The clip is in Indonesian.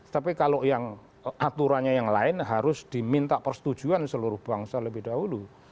tapi kalau yang aturannya yang lain harus diminta persetujuan seluruh bangsa lebih dahulu